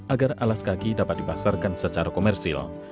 agar alas kaki dapat dipasarkan secara komersil